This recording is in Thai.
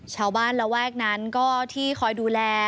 ชาวบ้านระแวกนั้นก็ที่คอยดูแล